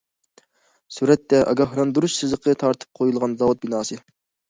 سۈرەتتە: ئاگاھلاندۇرۇش سىزىقى تارتىپ قويۇلغان زاۋۇت بىناسى.